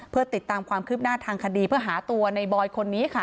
เพื่อติดตามความคืบหน้าทางคดีเพื่อหาตัวในบอยคนนี้ค่ะ